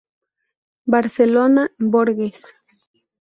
Barcelona Borges.